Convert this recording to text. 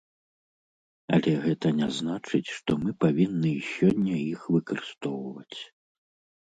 Але гэта не значыць, што мы павінны і сёння іх выкарыстоўваць.